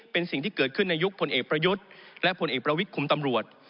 เป็นสิ่งที่เกิดขึ้นในยุคพลเอกประยุทธ์และผลเอกประวิทย์คุมตำรวจ